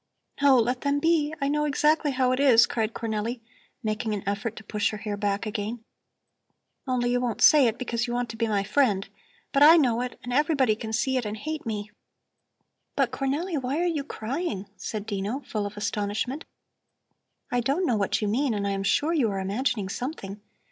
"No, let them be! I know exactly how it is," cried Cornelli, making an effort to push her hair back again. "Only you won't say it, because you want to be my friend. But I know it and everybody can see it and hate me." "But Cornelli, why are you crying?" said Dino, full of astonishment. "I don't know what you mean and I am sure you are imagining something.